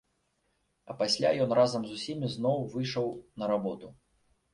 А пасля ён разам з усімі зноў выйшаў на работу.